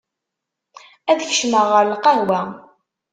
Ad kecmeɣ ɣer lqahwa.